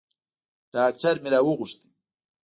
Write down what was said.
ډاکتر مې راوغوښت.